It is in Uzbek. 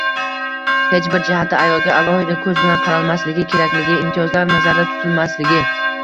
hech bir jihatda ayolga alohida ko‘z bilan qaralmasligi kerakligi, imtiyozlar nazarda tutilmasligi